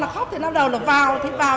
nhưng gần đây nó quá nhiều